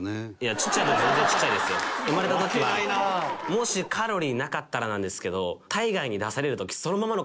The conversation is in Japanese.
もしカロリーなかったらなんですけど。